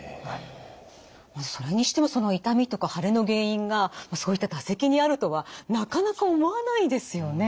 それにしてもその痛みとか腫れの原因がそういった唾石にあるとはなかなか思わないですよね。